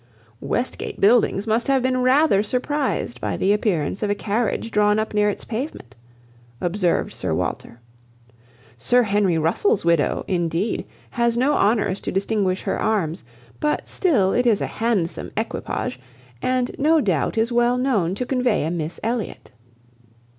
"Westgate Buildings must have been rather surprised by the appearance of a carriage drawn up near its pavement," observed Sir Walter. "Sir Henry Russell's widow, indeed, has no honours to distinguish her arms, but still it is a handsome equipage, and no doubt is well known to convey a Miss Elliot.